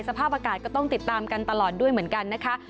สภาพอากาศก็ต้องติดตามกันตลอดด้วยเหมือนกันนะคะ